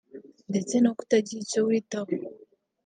ndetse no kutagira icyo witaho